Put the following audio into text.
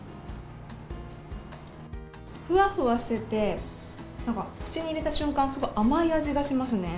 ふわふわしてて、なんか口に入れた瞬間、すごい甘い味がしますね。